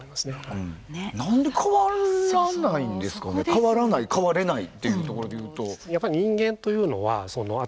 変わらない変われないっていうところで言うと。